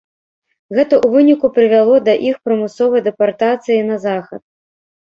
Гэта ў выніку прывяло да іх прымусовай дэпартацыі на захад.